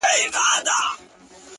o جانه ته ځې يوه پردي وطن ته؛